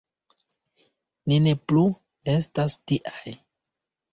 Ni ne plu estas tiaj!